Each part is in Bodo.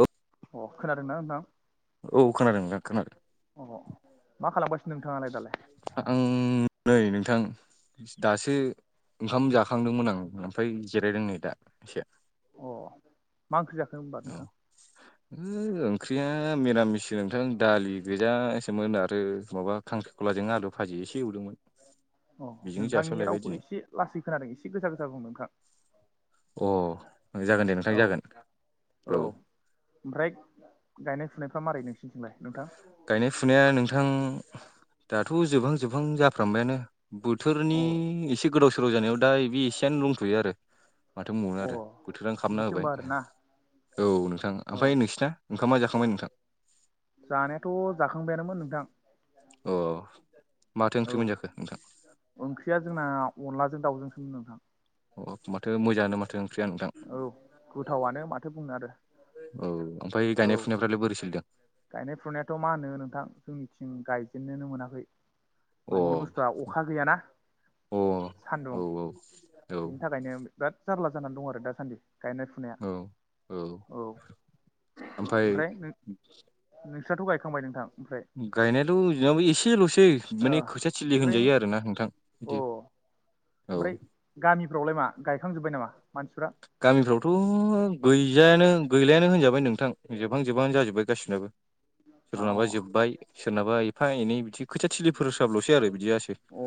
औ। अ' खोनादोंना नोंथां। औ खोनादों नोंथां खोनादों। अ मा खालामगाासनो नोंथाङालाय दालाय। आं नै नोंथां दासो ओंखाम जाखांदोंमोन आं ओमफ्राय जिरायदों नै दा एसे। अ' मा ओंख्रि जाखो होनबा नोंथां। होओ ओंख्रिया मिरामिसो नोंथां दालि गोैजासोमोन आरो माबा खांख्रि ख'लाजों आलु भाजि एसे एवदोंमोन। अ' बेजोंनो नोंथांनि जासाबलायबाय रावखौ दिनै एसे लासै खोनादों एसे गोजा गोजा बुं नोंथां। अ' जागोन दे नोंथां औ जागोन औ। ओमफ्राय गायनाय-फुनायफ्रा मारै नोंसिनिथिंलाय नोंथां। गायनाय-फुनाया नोंथां दाथ' जोबहां जोबहां जाफ्रांबायानो। बोथोरनि अ एसे गोदाव सोराव जानायाव दा बे एसेयनो दंथ'यो आरो। माथो बुंबावनो अ आरो बोथोरानो खालामना बिदिसो होबाय होमबा आरोना औ नोंथां औ ओमफ्राय नोंसिना। ओंखामा जाखांबाय नोंथां। जानायाथ' जाखांबायानोमोन नोंथां। अ' माथो औ ओंख्रि मोनजाखो नोंथां‌। ओंख्रिया जोंना अनद्लाजों दाउजोंसोमोन नोंथां। अ' माथो मोजांङानो माथो ओंख्रिया नोंथां। औ गोथावानो माथो बुंनो आरो। औ ओमफ्राय औ गायनाय-फुनायफ्रालाय बोरै सोलिदों। गायनाय -फुनायाथ' मा होनो नोंथां जोंनिथिं गायजेननोनो मोनाखै। अ माने बुस्थुआ अखा गैयाना। अ औ सान्दुं औ औ बिनि थाखायनो बिराद जारला जानानै दं आरो दासान्दि गायनाय फु नाया औ औ औ ओमफ्राय नों नोंस्राथ' गायखांबाय नोंथां। ओमफ्राय गायनायाथ' जोंनाबो एसेल'सै ओ माने खोथिया थिलि ओमफ्राय होनजायो अ आरो ना नोंथां। दउ ओमफ्राय गामिफ्रावलाय मा गायखांजोब्बाय नामा मानसिफ्रा गामिफ्रावथ' गैजायानो गैलायानो होनजाबाय नोंथां जोबहां जोबहानो जाजोब्बाय गासिनाबो औ सोरनाबा जोब्बाय सोरनाबा एफा एनै बिदि खोथिया थिलिफोर होसाबल'सै आरो बिदियासो अ' औ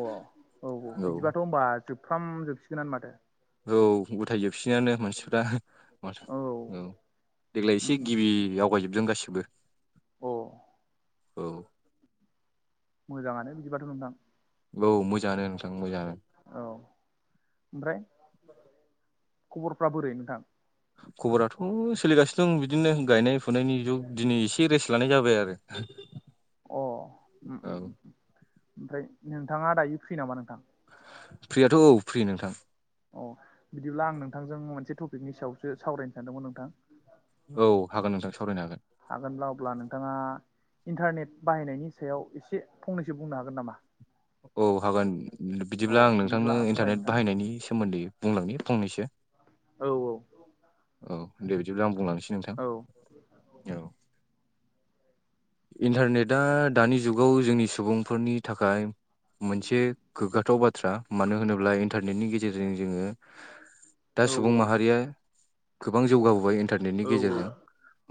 औ बिदिबाथ' होनबा जोबफ्राम जोबसिगोनानो माथो। औ गथायजोबसिगोनानो मानसिफ्रा औ देग्लाय उम एसे उम उम गिबि आवगायजोबदों गासिबो अ औ मोजाङानो बिदिबाथ' नोंथां। औ मोजाङानो नोंथां मोजाङानो। औ ओमफ्राय खबरफ्रा बोरै नोंथां? खबराथ' सोलिगासिनो दं बिदिनो गायनाय फुनायनि जुग दिनै एसे रेस लानाय जाबाय आरो। अ ओम औ ओमफ्राय नोंथाङा दायो फ्रि नामा नोंथां? फ्रियाथ' औ फ्रि नोंथां। अ बिदिब्ला आं नोंथांजों मोनसे टपिकनि सायावसो सावरायनो सानदोंमोन नोंथां। औ हागोन नोंथां सावरायनो हागोन। हागोनब्ला अब्ला नोंथाङा इन्टारनेट बाहायनायनि सायाव एसे फंनैसो बुंनो हागोन नामा? औ हागोन औ बिदिब्ला आं नोंथांनो बुंलाय इन्टारनेट नोंथां बाहायनायनि सोमोन्दै बुंलांनि फंनैसो औ। औ दे बिदिब्ला आं बुंलांसै नोंथां। औ। औ औ। इन्टारनेटआ दानि जुगाव जोंनि सुबुंफोरनि थाखाय मोनसे गोग्गाथाव बाथ्रा मानो होनोब्ला इन्टारनेटनि गेजेरजों जोङो दा औ सुबुं माहारिया गोबां जौगाबोबाय औ इन्टारनेटनि गेजेरजों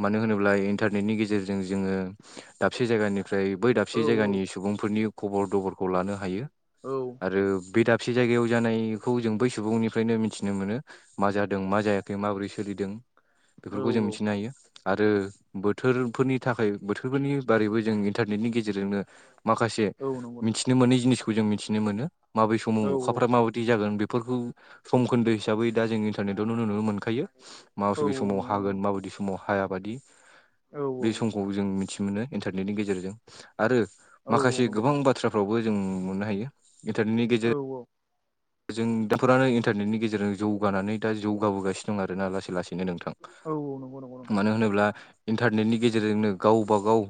मानो होनोब्ला इन्टारनेटनि गेजेरजों जोङो दाबसे जायगानि ओमफ्राय बै दाबसे औ जायगानि सुबुंफोरनि खबर दबरखौ लानो हायो। औ। आरो बे दाबसे जायगायाव जानायखौ जों बै सुबुंनिफ्रायनो मिथिनो मोनो। मा जादों मा जायाखै माबोरै सोलिदों औ बेफोरखौ जों मिथिनो हायो आरो बोथोरफोरनि थाखाय बोथोरफोरनि बारैबो जों इन्टारनेटनि गेजेरजोंनो माखासे औ नंगौ नंगौ मिथिनो मोनै जिनिसखौ खौ जों मिथिनो मोनो माबै औ समाव औ अखाफ्रा माबायदि जागोन बेफोरखौ समखोन्दो हिसाबै दा जों इन्टारनेटआवनो नुनो मोनखायो माब औ बे समाव नंगौ नंगौ हागोन माबायदि सम समाव हाय बादि औ औ बे समखौ जों मिथि मोनो इन्टारनेटनि गेजेरजों। आरो औ माखासे नंगौ नंगौ गोबां बाथ्राफ्रावबो जों मोननो हायो इन्टारनेटनि गेजेरजों औ औ। दा जों दाफोरानो इन्टारनेटनि गेजेरजों जौगानानै दा जौगाबोगासिनो दं आरोना लासै लासै बेनो औ नंगौ नंगौ नोंथां नोंथां मानो होनोब्ला इन्टारनेटनि गेजेरजोंनो गावबा गाव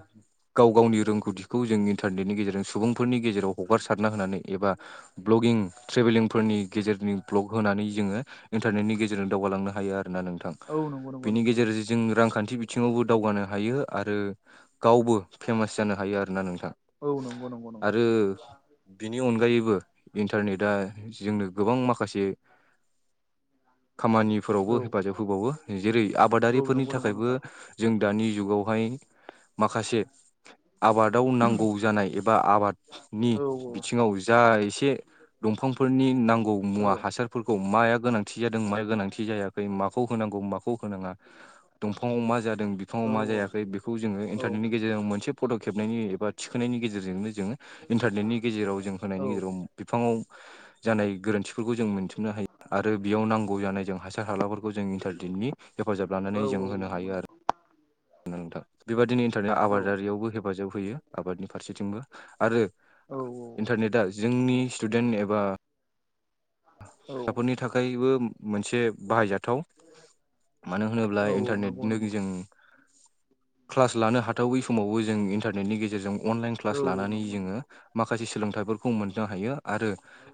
गाव गावनि रोंगौथिखौ जों इन्टारनेटनि गेजेरजों सुबुंफोरनि गेजेराव हगारसारना होनानै एबा ब्लगिं ट्रेभेलिंफोरनि गेजेरनि भ्लग होनानै जोङो इन्टारनेटनि गेजेरजों दावगालांनो हायो आरो ना नोंथां। औ नंगौ नंगौ बेनि नोंथां गेजेरजों जों रांखान्थि बिथिङावबो दावगानो हायो आरो। गावबो फेमास जानो हायो आरोना औ नोंथाङा। नंगौ नंगौ नोंथां आरो बिनि अनगायैबो इन्टारनेट दा जोंनो गोबां माखासे औ खामानिफोरावबो हेफाजाब होबावो जेरै औ आबादारिफोरनि नंगौ नंगौ थाखायबो नोंथां जों दानि जुगावहाय माखासे आबादाव नांगौ जानाय एबा आबादनि औ बिथिङाव जा एसे दंफांफोरनि नांगौ औ मुवा हासारफोरखौ माया गोनांथि जादों माया गोनांथि जाया माखौ होनांगौ माखौ होनाङा दंफाङाव मा जादों दों बिफाङाव औ मा जायाखै बेखौ जोङो इन्टारनेटनि गेजेरजों मोनसे फट' खेबनायनि एबा थिखोनायनायनि गेजेरजोंनो जोङो इन्टारनेटनि गेजेराव जों औ होनायनि गेजेराव बिफाङाव जानाय गोरोन्थिफोरखौ जों मोनथिनो हायो आरो बेयाव नांगौ जानाय जों हासार हालाफोरखौ खौ जों इन्टारनेटनि हेफाजाब औ लानानै जों नंगौ होनो हायो आरो। नोंथां बेबादिनो इन्टारनेट औ आबादारियावबो हेफाजाब होयो आबादनि फारसेथिंबो आरो औ इन्टारनेटआ जोंनि स्टुडेन्ट एबा औ [unintelligible] फोरनि थाखायबो मोनसे बाहायजाथाव। मानो औ होनोब्ला नंगौ इन्टारनेटनो नंगौ जों क्लास लानो हाथावै समावबो जों इन्टारनेटनि गेजेरजों अनलाइन औ क्लास औ लानानै नंगौ नंगौ जोङो माखासे सोलोंथाइफोरखौ मोननो हायो आरो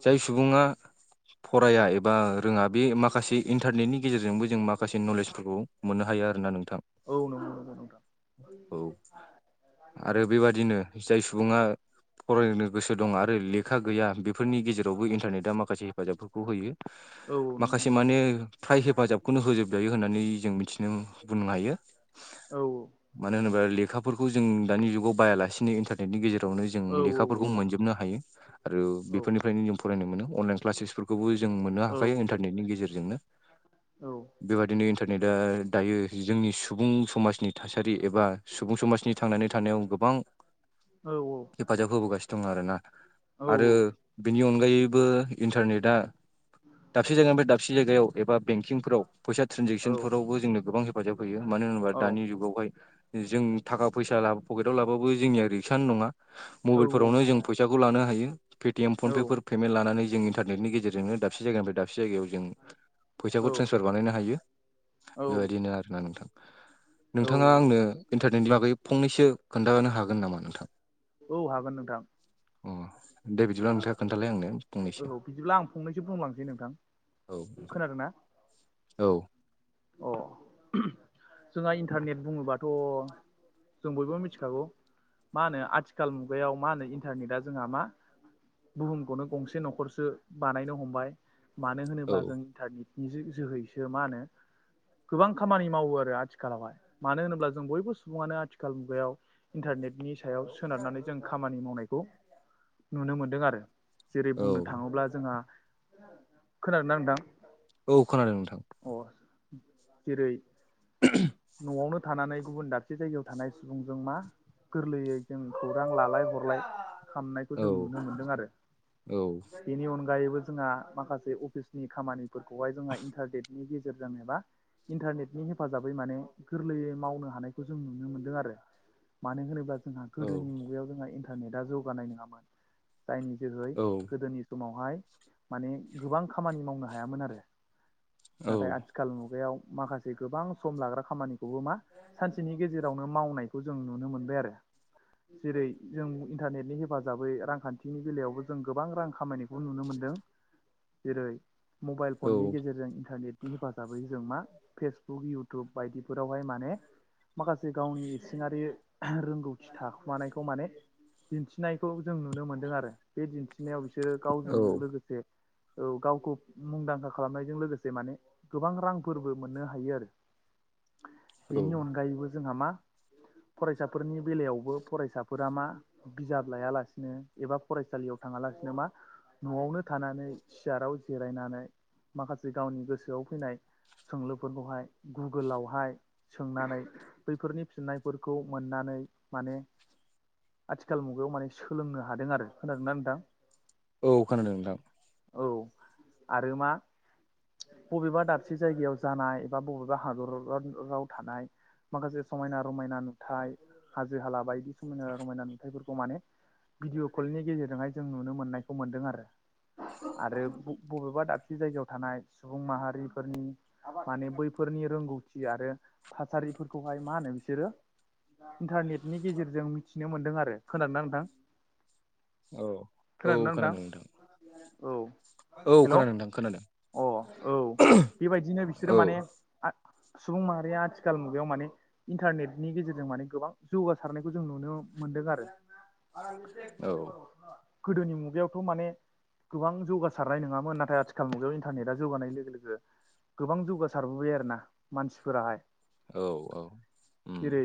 जाय सुबुङा फराया एबा रोङा बे माखासे इन्टारनेटनि गेजेरजोंबो जों मा खासे नलेजफोरखौ मोननो हायो आरो ना नोंथां। औ नंगौ नोंथां। औ आरो बेबादिनो जाय सुबुङा फरायनो गोसो दं आरो लेखा गैया बेफोरनि गेजेरावबो इन्टारनेटआ माखासे हेफाजाबफोरखौ होयो। औ नंगौ माखासे नंगौ माने फ्राय हेफाजाबखौनो होजोबजायो होननानै जों मिथिनो बुंनो हायो। औ। मानो होनोबा लेखाफोरखौ जों दानिुगाव बायालासिनो इन्टार नेटनि गेजेरजोंनो औ जोङो औ लेखाफोरखौबो नंगौ मोनजोबनो हायो आरो औ बेफोरनिफ्रायनो जों फरायनो मोनो अनलाइन क्लासेसफोरखौबो जों मोननो औ हाखायो इन्टारनेटनि गेजेरजोंनो। औ बेबादिनो इन्टारनेटआ दायो जोंनि सुबुं समाजनि थासारि एबा सुबुं समाजनि थांनानै थानायाव गोबां औ औ। हेफाजाब होबोगासिनो दं आरोना औ नंगौ औ आरो बेनि अनगायैबो इन्टारनेटआ दाबसे जायगानिफ्राय दाबसे जायगायाव एबा बेंकिंफोराव फैसा ट्रेनजेकसनफोरावबो जोंनो गोबां हेफाजाब होयो मानो होनोबा दानि जुगावहाय जों थाखा फैसा पकेटाव लाबाबो जोंनिया रिक्सानो नङा मबाइलफोरावनो जों फैसाखौ लानो हायो पेटिएम फनपे फोर पेमेन्ट लानानै जों इन्टारनेटनि गेजेरजों दाबसे जायगानिफ्राय दाबसे जायगायाव जों फैसाखौ औ ट्रेन्सफार बानायनो हायो बेबायदिनो आरोना नोंथां। नोंथाङा औ औ आंनो इन्टारनेटनि बागै फंनैसो खोन्थानो हागोन नामा नोंथां? औ हागोन नोंथां। अ दे बिदिब्ला नोंथाङा खोन्थालाय आंनो फंनैसो। औ बिदिब्ला आं फंनैसो बुंलांसै नोंथां औ खोनादोंना औ। अ जोंहा इन्टारनेट बुङोबाथ' जों बयबो मिथिखागौ मा होनो आथिखाल मुगायाव मा होनो इन्टारनेटआ जोंहा मा बुहुमखौनो गंसे न'खरसो बानायनो हमबाय। मानो औ होनोब्ला जों इन्टारनेटनि जो‌ जोहैसो मा होनो गोबां खामानि मावो आरो आथिखालावहाय मानो होनोब्ला जों बयबो सुबुङानो आथिखाल मुगायाव इन्टारनेटनि सायाव सोनारनानै जों खामानि मावनायखौ नुनो मोनदों आरो। जेरै औ बुंनो थाङोब्ला जोंहा खोनानोदोंनांदां। औ खोनादों नोंथां। अ जेरै न'आवनो थानानै गुबुन दाबसे जायगायाव थानानै सुबुंजों मा गोरलैयै जों खौरां लालाय हरलाय खामनायखौ औ जों नुनो मोनदों आरो औ बेनि अनगायैबो जोंहा माखासे अफिसनि खामानिफोरखौहाय जोंहा इन्टारनेटनि गेजेरजों एबा इन्टारनेटनि हेफाजाबै माने गोरलैयै मावनो हानायखौ जों नुनो मोनदों आरो मानो होनोबा जोंहा गोदोनि औ मुगायाव जोंहा इन्टारनेटा जौगानाय नङामोन जायनि जेरहै औ गोदोनि समावहाय माने गोबां खामानि मावनो हायामोन आरो नाथाय औ आथिखाल आथिखाल मुगायाव माखासे गोबां सम लाग्रा खामानिखौबो मा सानसेनि गेजेरावनो मावनायखौ जों नुनो मोनबाय आरो। जेरै जों इन्टारनेटनि हेफाजाबै रांखान्थिनि बेलायावबो जों गोबां रां खामायनाय नुनो मोनदों जेरै मबाइल फननि औ गेजेरजों इन्टारनेटनि हेफाजाबैयो जों मा फेसबुक इउटुब बायदिफोरावहाय माने माखासे गावनि इसिङारि रोंगौथि थाखुमानायखौ माने दिन्थिनायखौ जों नुनो मोनदों आरो बे दिन्थिनायाव बिसोरो गावजों औ लोगोसे औ गावखौ मुंदांखा खालामनायजों लोगोसे माने गोबां रां फोरबो मोननो हायो आरो औ बेनि अनगायैबो जोंहा मा फरायसाफोरनि बेलायावबो फरायसाफोरा मा बिजाब लायालासिनो एबा फरायसालियाव थाङालासिनो मा न'आवनो थानानै सियाराव जिरायनानै माखासे गावनि गोसोआव फैनाय सोंलुफोरखौहाय गुगोलावहाय सोंनानै बैफोरनि फिननायफोरखौ मोननानै माने आथिखाल मुगायाव माने सोलोंनो हादों आरो खोनादों नना नोंथां औ खोनादों नोंथां औ आरो मा बबेबा दाबसे जायगायाव जानाय एबा बबेबा हादर राव थानाय माखासे समायना रमायना नुथाय हाजो हाला बायदिसिना समायना रमायना नुथथायफोरखौ माने भिडिअ कलनि गेजेरजोंहाय जों नुनो मोननायखौ मोनदों आरो आरो बबेबा दाबसे जायगायाव थानाय सुबुं माहारिफोरनि माने बैफोरनि रोंगौथि आरो थासारिफोरखौहाय मा होनो बिसोरो इन्टारनेटनि गेजेरजों मिथिनो मोन्दों आरो खोनादोंना नोंथां औ औ खोनादों नोंथां औ औ हेल' अ खोनादोंथां खोनादों औ बेबायदिनो बिसोरो औ माने सुबुं माहारिया आथिखाल मुगायाव माने इन्टारनेटनि गेजेरजों माने गोबां जौगासारनायखौ जों नुनो मोनदों आरो औ गोदोनि मुगायावथ' माने गोबां जौगासारनाय नङामोन नाथाय आथिखाल मुगायाव इन्टारनेटा जौगानाय लोगो लोगो गोबां जौगासारबोबाय आरोना मानसिफोराहाय औ औ [inaudible] उम जेरै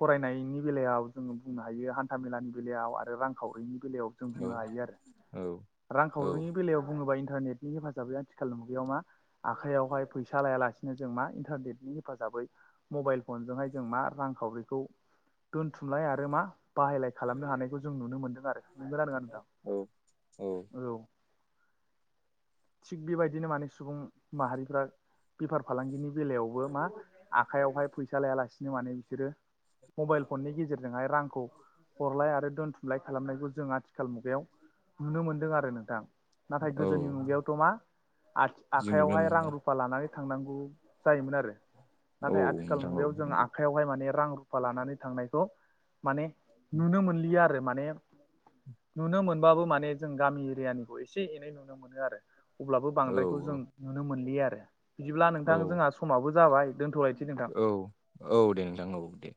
फरायनायनि बेलायाव जोङो बुंनो हायो हान्थाामेलानि बेलायाव आरो रांखावरिनि बेलायाव जों औ बुंनो हायो औ आरो औ रांखावरिनि बेलायाव बुङोबा इन्टारनेटनि हेफाजाबै आथिखाल मुगायाव मा आखाइआवहाय फै फिसा लायालासिनो जों मा इन्टारनेटनि हेफाजाबै मबाइल फनजोंहाय जों मा रांखावरिखौ दोनथुमलाय आरो मा बाहायलाय खालामनो हानायखौ जों नुनो मोनदों आरो नंगोना नङा औ नोंथां औ थिग बेबायदिनो माने सुबुं माहारिफ्रा बेफार फालांगिनि बेलायावबो मा आखाइयावहाय फैसा लायालासिनो माने बिसोरो मबाइल फननि गेजेरजोंहाय रांखौ हरलाय आरो दोन्थुमलाय खालामनायखौ जों आथिखाल मुगायाव नुनो मोनदों आरो नोंथां नाथाय औ गोदोनि मुगायावथ' मा जों नुनो मोनो सुफा लानानै थांनांगौ जायोमोन आरो औ नाथाय आथिखाल नोंथां औ मुगायाव जों नंगौ आखायावहाय माने रां रुफा लानानै थांनायखौ माने नुनो मोनलिया आरो माने नुनो मोनबाबो माने जों गामि एरियानिखौ एसे एनै नुनो मोनो आरो अब्लाबो औ बांद्रायखौ जों नुनो मोनलिया आरो बिदिब्ला औ नोंथां जोंहा समाबो जाबाय दोनथ'लायसै नोंथां औ औ दे नोंथां औ दे